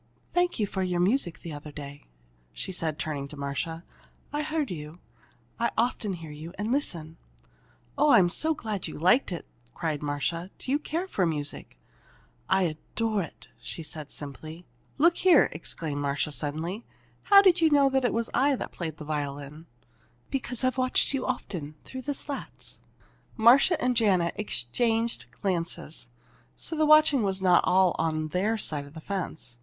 "Thank you for your music the other day," she said, turning to Marcia. "I heard you. I often hear you and listen." "Oh, I'm so glad you liked it!" cried Marcia. "Do you care for music?" "I adore it," she replied simply. "Look here!" exclaimed Marcia, suddenly; "how did you know it was I that played the violin?" "Because I've watched you often through the slats!" Marcia and Janet exchanged glances. So the watching was not all on their side of the fence!